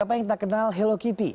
apa yang tak kenal hello kitty